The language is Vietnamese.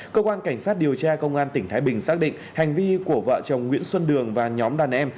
cơ quan cảnh sát điều tra công an tỉnh thái bình xác định hành vi của vợ chồng nguyễn xuân đường và nhóm đàn em